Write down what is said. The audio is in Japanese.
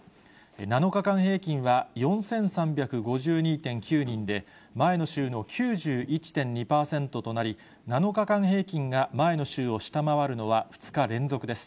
７日間平均は４３５２．９人で、前の週の９１．２％となり、７日間平均が前の週を下回るのは２日連続です。